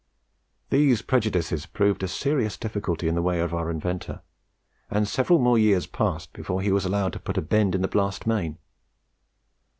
These prejudices proved a serious difficulty in the way of our inventor, and several more years passed before he was allowed to put a bend in the blast main.